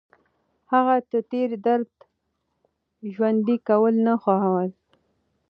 هغه د تېر درد ژوندي کول نه خوښول.